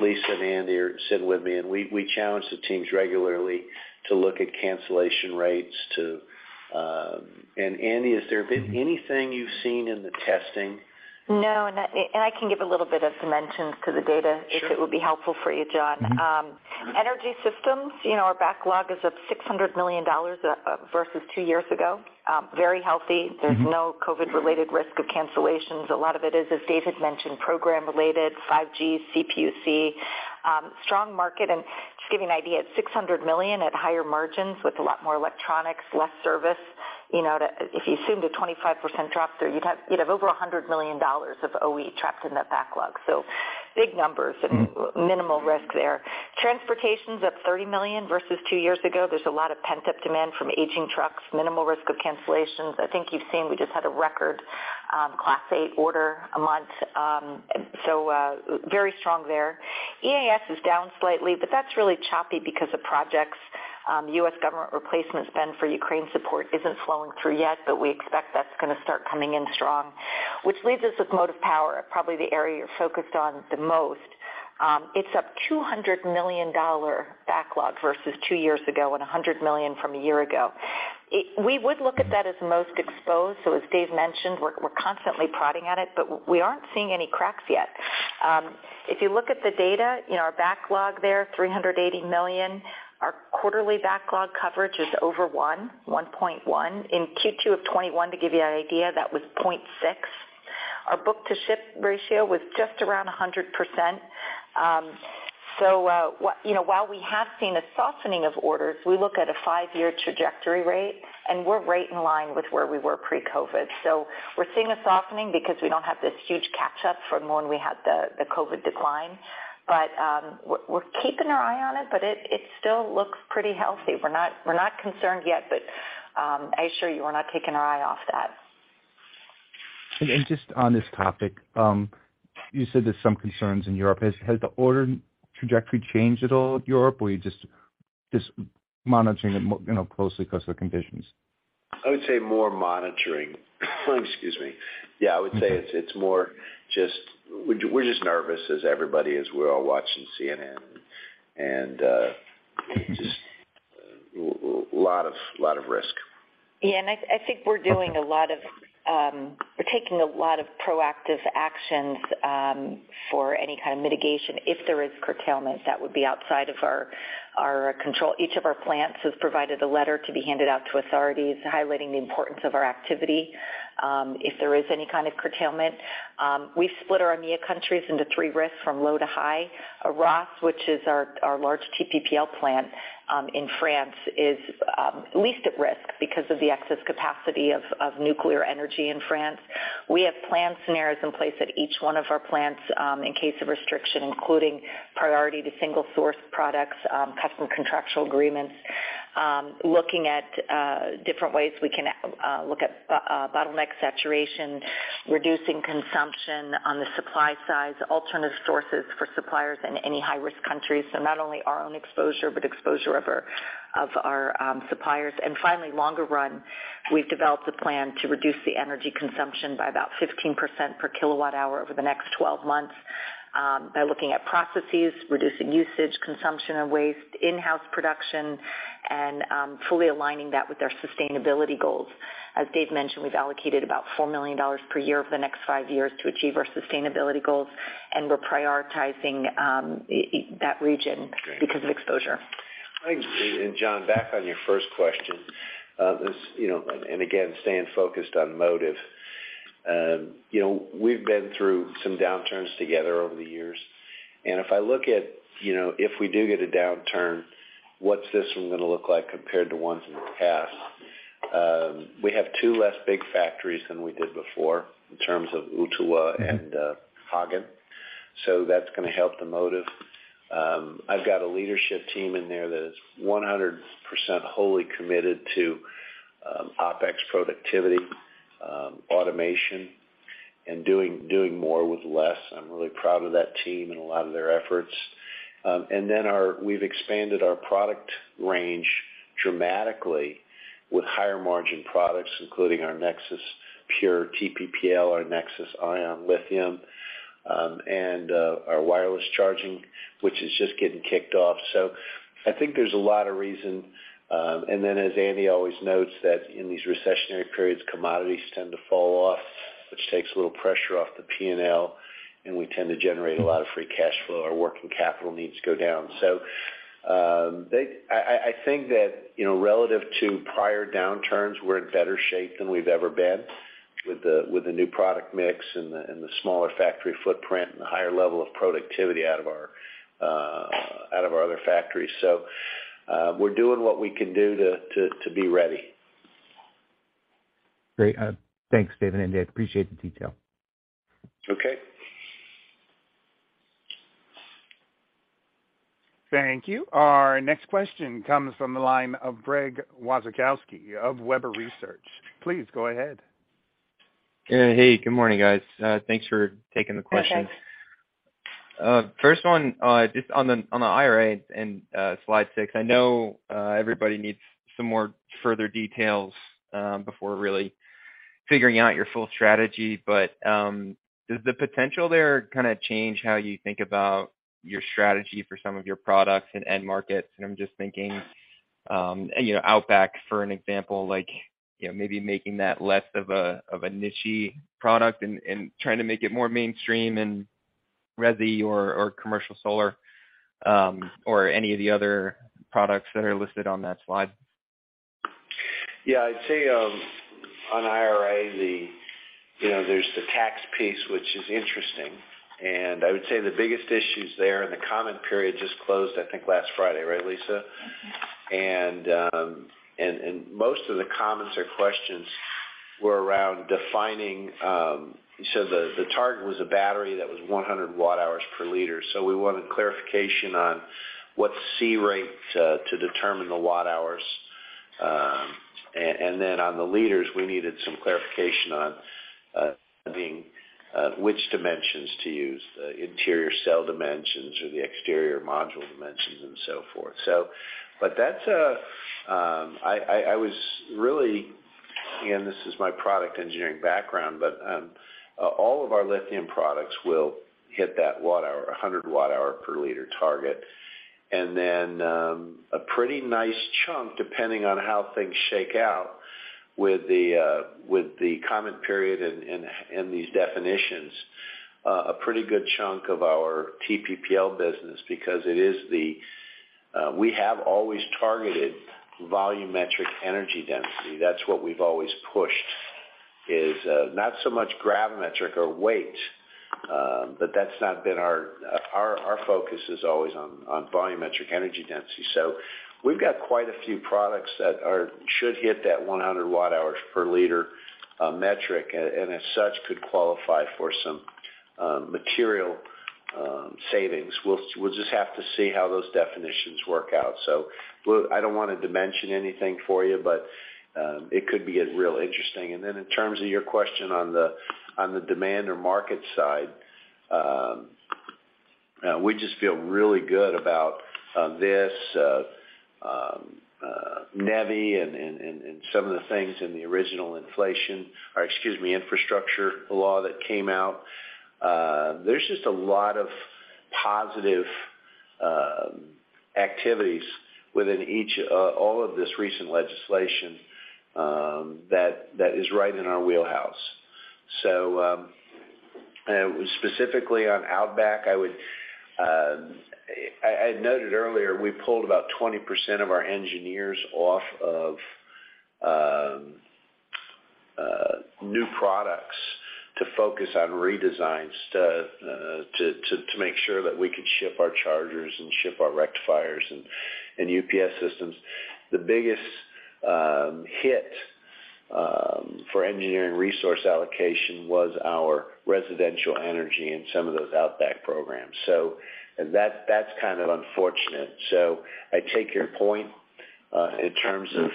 Speaker 3: Lisa and Andi are sitting with me, and we challenge the teams regularly to look at cancellation rates to Andi, is there anything you've seen in the testing?
Speaker 4: No. I can give a little bit of dimensions to the data if it would be helpful for you, John.
Speaker 6: Mm-hmm.
Speaker 4: Energy systems, you know, our backlog is up $600 million versus two years ago. Very healthy.
Speaker 6: Mm-hmm.
Speaker 4: There's no COVID-related risk of cancellations. A lot of it is, as Dave had mentioned, program-related, 5G, CPUC, strong market. Just give you an idea, at $600 million at higher margins with a lot more electronics, less service, you know, if you assume the 25% drop there, you'd have over $100 million of OE trapped in that backlog. Big numbers.
Speaker 6: Mm-hmm.
Speaker 4: Minimal risk there. Transportation's up $30 million versus two years ago. There's a lot of pent-up demand from aging trucks, minimal risk of cancellations. I think you've seen we just had a record Class 8 order a month. Very strong there. EAS is down slightly, but that's really choppy because of projects. U.S. government replacement spend for Ukraine support isn't flowing through yet, but we expect that's gonna start coming in strong. Which leaves us with motive power, probably the area you're focused on the most. It's up $200 million backlog versus two years ago and $100 million from a year ago. We would look at that as most exposed. As Dave mentioned, we're constantly prodding at it, but we aren't seeing any cracks yet. If you look at the data, you know, our backlog there, $380 million. Our quarterly backlog coverage is over 1.1. In Q2 of 2021, to give you an idea, that was 0.6. Our book to ship ratio was just around 100%. While we have seen a softening of orders, we look at a five-year trajectory rate, and we're right in line with where we were pre-COVID. We're seeing a softening because we don't have this huge catch up from when we had the COVID decline. We're keeping our eye on it, but it still looks pretty healthy. We're not concerned yet, but I assure you, we're not taking our eye off that.
Speaker 6: Just on this topic, you said there's some concerns in Europe. Has the order trajectory changed at all with Europe, or are you just monitoring it, you know, closely 'cause of the conditions?
Speaker 3: I would say more monitoring. Excuse me. Yeah, I would say it's more just we're just nervous as everybody is. We're all watching CNN, and just lot of risk.
Speaker 4: I think we're taking a lot of proactive actions for any kind of mitigation. If there is curtailment, that would be outside of our control. Each of our plants has provided a letter to be handed out to authorities highlighting the importance of our activity if there is any kind of curtailment. We've split our EMEIA countries into three risks from low to high. Arras, which is our large TPPL plant in France is least at risk because of the excess capacity of nuclear energy in France. We have planned scenarios in place at each one of our plants, in case of restriction, including priority to single source products, custom contractual agreements, looking at different ways we can look at bottleneck saturation, reducing consumption on the supply side, alternative sources for suppliers in any high-risk countries, so not only our own exposure, but exposure of our suppliers. Finally, longer run, we've developed a plan to reduce the energy consumption by about 15% per kWh over the next 12 months, by looking at processes, reducing usage, consumption of waste, in-house production, and fully aligning that with our sustainability goals. As Dave mentioned, we've allocated about $4 million per year over the next five years to achieve our sustainability goals, and we're prioritizing that region because of exposure.
Speaker 3: I think, John, back on your first question, you know, and again, staying focused on Motive, you know, we've been through some downturns together over the years, and if I look at, you know, if we do get a downturn, what's this one gonna look like compared to ones in the past? We have two less big factories than we did before in terms of Ooltewah and Hagen, so that's gonna help the motive. I've got a leadership team in there that is 100% wholly committed to OpEx productivity, automation, and doing more with less. I'm really proud of that team and a lot of their efforts. We've expanded our product range dramatically with higher margin products, including our NexSys PURE TPPL, our NexSys iON lithium, and our wireless charging, which is just getting kicked off. I think there's a lot of reason as Andi always notes that in these recessionary periods, commodities tend to fall off, which takes a little pressure off the P&L, and we tend to generate a lot of free cash flow. Our working capital needs go down. I think that, you know, relative to prior downturns, we're in better shape than we've ever been with the new product mix and the smaller factory footprint and the higher level of productivity out of our other factories. We're doing what we can do to be ready.
Speaker 6: Great. Thanks, Dave and Andi. I appreciate the detail.
Speaker 3: Okay.
Speaker 1: Thank you. Our next question comes from the line of Greg Wasikowski of Webber Research & Advisory. Please go ahead.
Speaker 7: Yeah. Hey, good morning, guys. Thanks for taking the questions.
Speaker 4: Hi, Greg.
Speaker 7: First one, just on the IRA and slide six, I know everybody needs some more further details before really figuring out your full strategy, but does the potential there kinda change how you think about your strategy for some of your products and end markets? I'm just thinking, you know, OutBack for an example, like, you know, maybe making that less of a niche-y product and trying to make it more mainstream in resi or commercial solar, or any of the other products that are listed on that slide.
Speaker 3: Yeah. I'd say on IRA, you know, there's the tax piece which is interesting. I would say the biggest issues there, and the comment period just closed, I think, last Friday, right, Lisa?
Speaker 4: Mm-hmm.
Speaker 3: Most of the comments or questions were around defining. The target was a battery that was 100 Wh per liter. We wanted clarification on what C rate to determine the watt-hours. And then on the liters, we needed some clarification on which dimensions to use, the interior cell dimensions or the exterior module dimensions and so forth. But that's. I was really, again, this is my product engineering background, but all of our lithium products will hit that 100 Wh per liter target. And then a pretty nice chunk, depending on how things shake out with the comment period and these definitions, a pretty good chunk of our TPPL business because it is. We have always targeted volumetric energy density. That's what we've always pushed, is not so much gravimetric or weight, but our focus is always on volumetric energy density. We've got quite a few products that should hit that 100 Wh per liter metric, and as such, could qualify for some material savings. We'll just have to see how those definitions work out. Look, I don't wanna dimension anything for you, but it could be real interesting. In terms of your question on the demand or market side, we just feel really good about this NEVI and some of the things in the original infrastructure law that came out. There's just a lot of positive activities within each all of this recent legislation that is right in our wheelhouse. Specifically on OutBack, I had noted earlier, we pulled about 20% of our engineers off of new products to focus on redesigns to make sure that we could ship our chargers and ship our rectifiers and UPS systems. The biggest hit for engineering resource allocation was our residential energy and some of those OutBack programs. That's kind of unfortunate. I take your point in terms of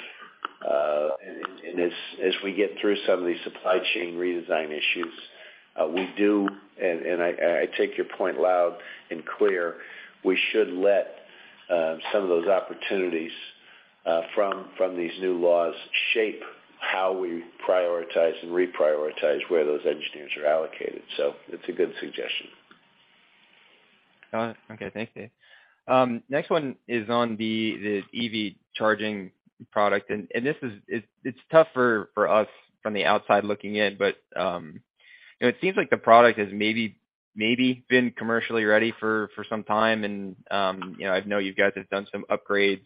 Speaker 3: and as we get through some of these supply chain redesign issues, I take your point loud and clear. We should let some of those opportunities from these new laws shape how we prioritize and reprioritize where those engineers are allocated. It's a good suggestion.
Speaker 7: Got it. Okay. Thanks, Dave. Next one is on the EV charging product. This is tough for us from the outside looking in, but you know, it seems like the product has maybe been commercially ready for some time. You know, I know you guys have done some upgrades,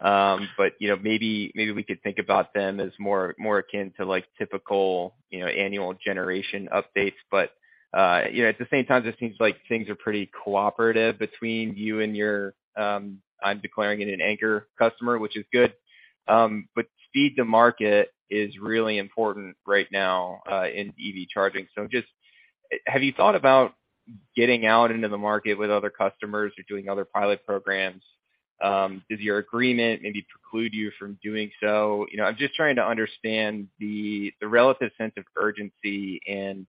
Speaker 7: but you know, maybe we could think about them as more akin to like typical you know, annual generation updates. You know, at the same time, it seems like things are pretty cooperative between you and your I'm declaring it an anchor customer, which is good. Speed to market is really important right now in EV charging. Just have you thought about getting out into the market with other customers or doing other pilot programs? Does your agreement maybe preclude you from doing so? You know, I'm just trying to understand the relative sense of urgency and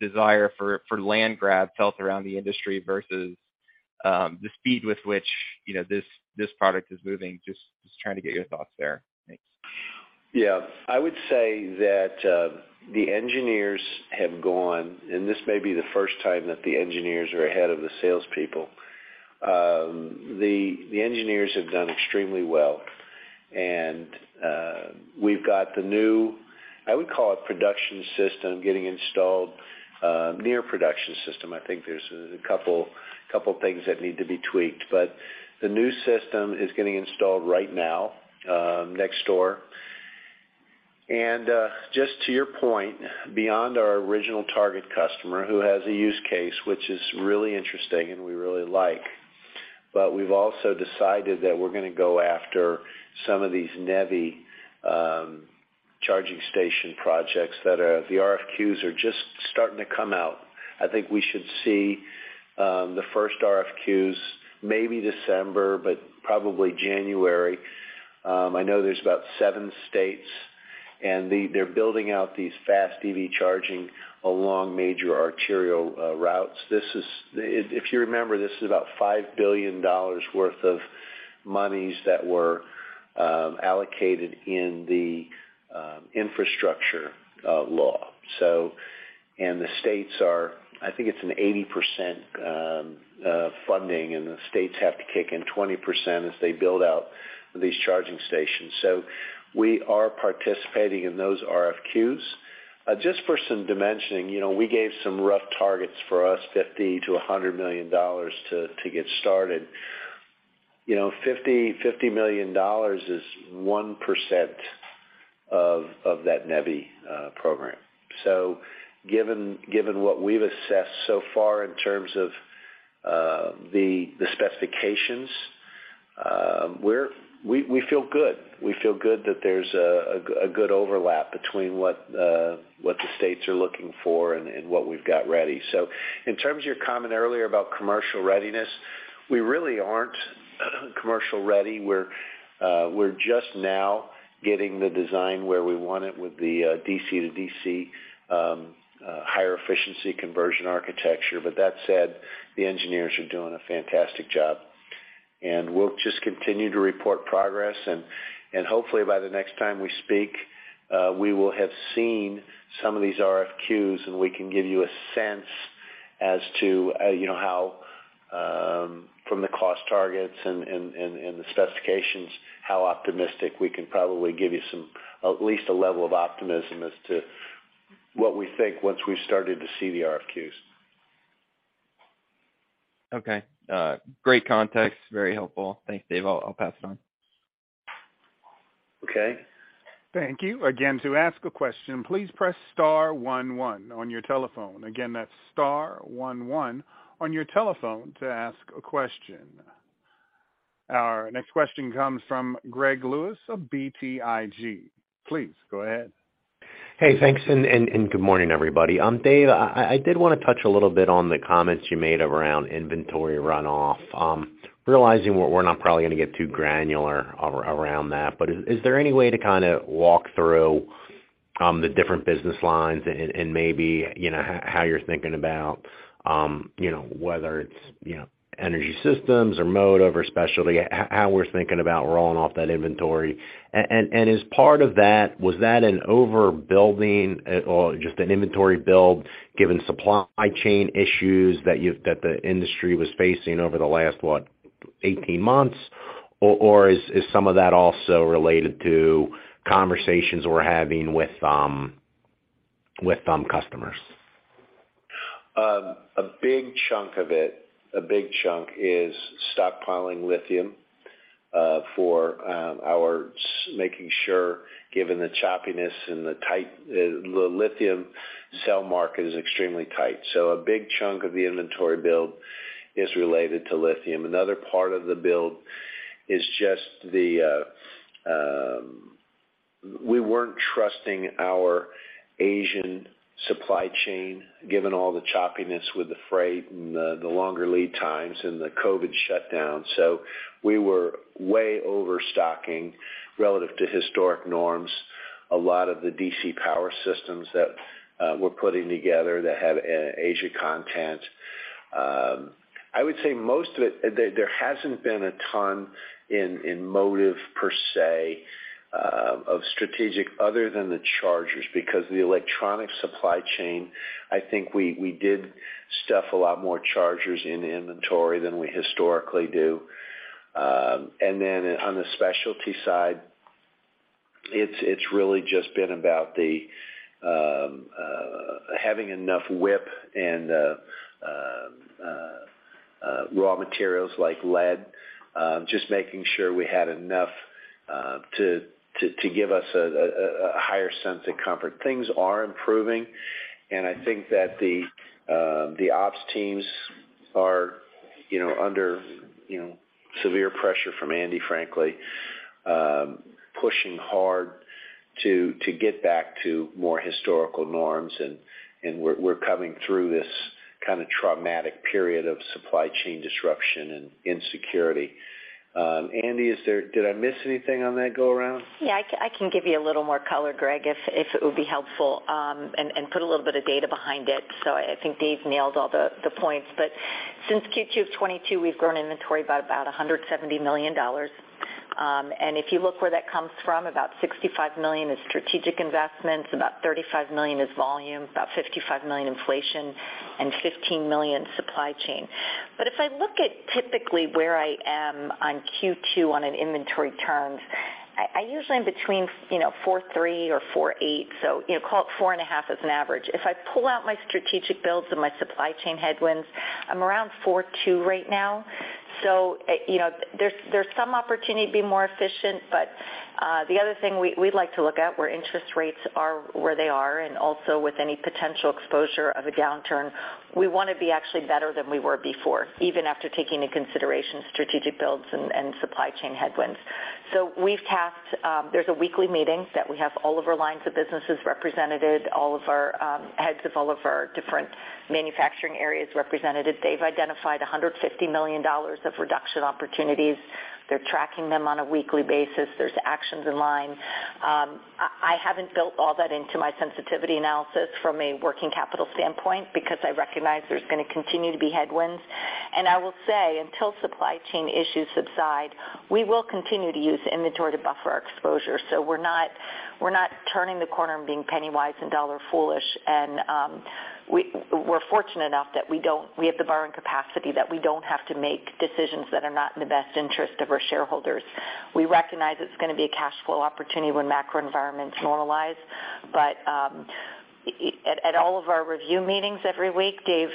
Speaker 7: desire for land grab felt around the industry versus the speed with which, you know, this product is moving. Just trying to get your thoughts there. Thanks.
Speaker 3: Yeah. I would say that the engineers have gone, and this may be the first time that the engineers are ahead of the salespeople. The engineers have done extremely well. We've got the new, I would call it production system, getting installed, near production system. I think there's a couple things that need to be tweaked. The new system is getting installed right now, next door. Just to your point, beyond our original target customer who has a use case, which is really interesting and we really like, but we've also decided that we're gonna go after some of these NEVI charging station projects that are. The RFQs are just starting to come out. I think we should see the first RFQs maybe December, but probably January. I know there's about 7 states, and they're building out these fast EV charging along major arterial routes. If you remember, this is about $5 billion worth of monies that were allocated in the infrastructure law. The states are, I think it's an 80% funding, and the states have to kick in 20% as they build out these charging stations. We are participating in those RFQs. Just for some dimensioning, you know, we gave some rough targets for us, $50 million-$100 million to get started. You know, $50 million is 1% of that NEVI program. Given what we've assessed so far in terms of the specifications, we feel good. We feel good that there's a good overlap between what the states are looking for and what we've got ready. In terms of your comment earlier about commercial readiness, we really aren't commercial ready. We're just now getting the design where we want it with the DC-to-DC higher efficiency conversion architecture. That said, the engineers are doing a fantastic job. We'll just continue to report progress, and hopefully by the next time we speak, we will have seen some of these RFQs, and we can give you a sense as to you know, how from the cost targets and the specifications, how optimistic we can probably give you some, at least a level of optimism as to what we think once we've started to see the RFQs.
Speaker 7: Okay. Great context. Very helpful. Thanks, Dave. I'll pass it on.
Speaker 3: Okay.
Speaker 1: Thank you. Again, to ask a question, please press star one one on your telephone. Again, that's star one one on your telephone to ask a question. Our next question comes from Gregory Lewis of BTIG. Please go ahead.
Speaker 8: Hey, thanks, and good morning, everybody. Dave, I did wanna touch a little bit on the comments you made around inventory runoff. Realizing we're not probably gonna get too granular around that, but is there any way to kinda walk through the different business lines and maybe, you know, how you're thinking about you know, whether it's energy systems or motive or specialty, how we're thinking about rolling off that inventory. As part of that, was that an overbuilding at all, just an inventory build given supply chain issues that the industry was facing over the last, what, 18 months, or is some of that also related to conversations we're having with customers?
Speaker 3: A big chunk of it is stockpiling lithium for making sure, given the choppiness and the tight, the lithium cell market is extremely tight. A big chunk of the inventory build is related to lithium. Another part of the build is just we weren't trusting our Asian supply chain given all the choppiness with the freight and the longer lead times and the COVID shutdown. We were way overstocking relative to historic norms. A lot of the DC power systems that we're putting together that have Asia content. I would say most of it, there hasn't been a ton in motive per se, of strategic other than the chargers because the electronic supply chain. I think we stuffed a lot more chargers in inventory than we historically do. On the specialty side, it's really just been about having enough WIP and raw materials like lead, just making sure we had enough to give us a higher sense of comfort. Things are improving, and I think that the ops teams are, you know, under, you know, severe pressure from Andy, frankly, pushing hard to get back to more historical norms, and we're coming through this kinda traumatic period of supply chain disruption and insecurity. Andy, did I miss anything on that go around?
Speaker 4: Yeah, I can give you a little more color, Greg, if it would be helpful, and put a little bit of data behind it. I think Dave nailed all the points. Since Q2 of 2022, we've grown inventory by about $170 million. And if you look where that comes from, about $65 million is strategic investments, about $35 million is volume, about $55 million inflation, and $15 million supply chain. If I look at typically where I am on Q2 on an inventory turns, I usually am between 4.3 or 4.8, so call it 4.5 as an average. If I pull out my strategic builds and my supply chain headwinds, I'm around 4.2 right now. There's some opportunity to be more efficient. The other thing we like to look at where interest rates are where they are, and also with any potential exposure of a downturn, we wanna be actually better than we were before, even after taking into consideration strategic builds and supply chain headwinds. We've tasked, there's a weekly meeting that we have all of our lines of businesses represented, all of our heads of all of our different manufacturing areas represented. They've identified $150 million of reduction opportunities. They're tracking them on a weekly basis. There's actions in line. I haven't built all that into my sensitivity analysis from a working capital standpoint because I recognize there's gonna continue to be headwinds. I will say, until supply chain issues subside, we will continue to use inventory to buffer our exposure. We're not turning the corner and being penny-wise and dollar-foolish. We're fortunate enough that we have the borrowing capacity that we don't have to make decisions that are not in the best interest of our shareholders. We recognize it's gonna be a cash flow opportunity when macro environments normalize. At all of our review meetings every week, Dave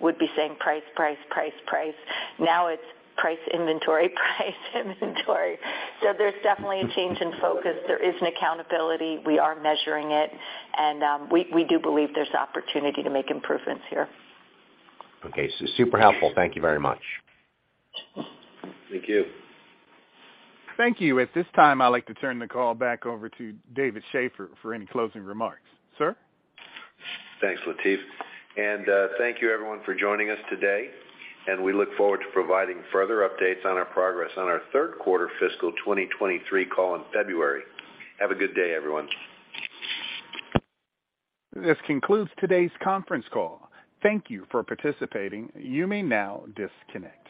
Speaker 4: would be saying price, price. Now it's price, inventory, price, inventory. There's definitely a change in focus. There is an accountability. We are measuring it, and we do believe there's opportunity to make improvements here.
Speaker 8: Okay. Super helpful. Thank you very much.
Speaker 3: Thank you.
Speaker 1: Thank you. At this time, I'd like to turn the call back over to David Shaffer for any closing remarks. Sir?
Speaker 3: Thanks, Latif. Thank you everyone for joining us today, and we look forward to providing further updates on our progress on our third quarter fiscal 2023 call in February. Have a good day, everyone.
Speaker 1: This concludes today's conference call. Thank you for participating. You may now disconnect.